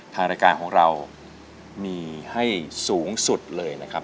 ทางรายการของเรามีให้สูงสุดเลยนะครับ